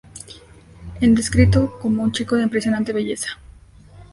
Es descrito como un chico de impresionante belleza.